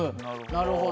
なるほど。